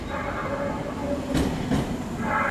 o اور او اوبه نه سره يو ځاى کېږي.